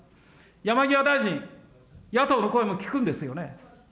山際大臣、野党の声も聞くんですよね。